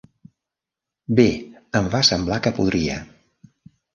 Bé, em va semblar que podria.